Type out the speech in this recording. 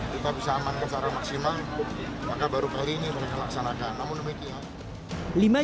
kita bisa amankan secara maksimal maka baru kali ini mereka laksanakan namun demikian